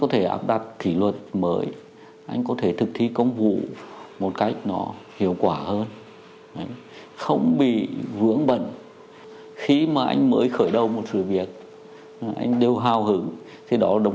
thế anh thử là khi anh bảo đảm cái đó